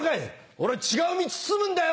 俺違う道進むんだよ！